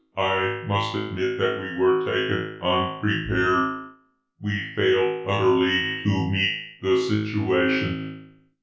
I must admit that we were taken unprepared. We failed utterly to meet the situation.